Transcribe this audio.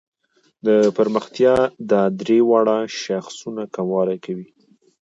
د پرمختیا دا درې واړه شاخصونه کموالي کوي.